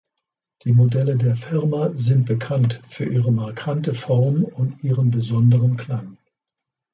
Die Modelle der Firma sind bekannt für ihre markante Form und ihren besonderen Klang.